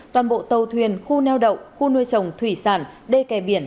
toàn bộ tàu thuyền khu neo đậu khu nuôi trồng thủy sản đê kè biển